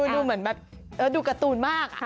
ดูเหมือนแบบดูการ์ตูนมาก